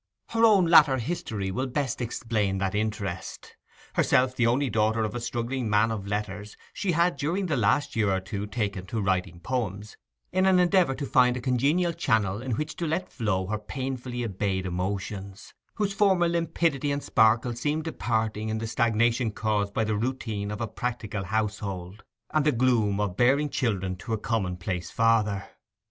Her own latter history will best explain that interest. Herself the only daughter of a struggling man of letters, she had during the last year or two taken to writing poems, in an endeavour to find a congenial channel in which to let flow her painfully embayed emotions, whose former limpidity and sparkle seemed departing in the stagnation caused by the routine of a practical household and the gloom of bearing children to a commonplace father.